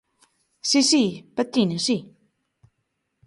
Si, si, patina, si.